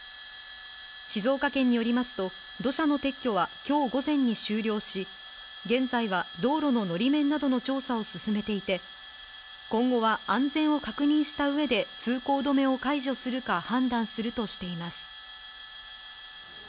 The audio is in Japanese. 静岡県によりますと、土砂の撤去はきょう午前に終了し、現在は道路ののり面などの調査を進めていて、今後は安全を確認したうえで、通行止めを解除するか判断するとしています。